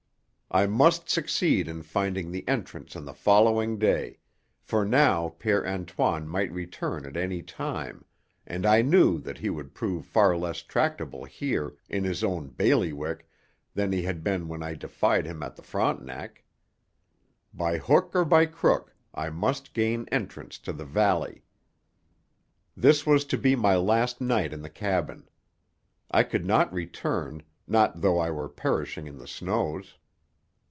I must succeed in finding the entrance on the following day, for now Père Antoine might return at any time, and I knew that he would prove far less tractable here in his own bailiwick than he had been when I defied him at the Frontenac. By hook or by crook I must gain entrance to the valley. This was to be my last night in the cabin. I could not return, not though I were perishing in the snows.